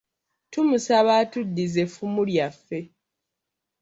Tumusaba atuddize effumu lyaffe.